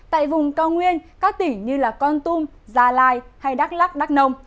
tại vùng cao nguyên các tỉnh như con tum gia lai hay đắk lắc đắk nông